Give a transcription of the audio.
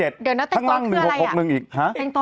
เดี๋ยวแล้วเต็งโต๊ดคืออะไรอ่ะ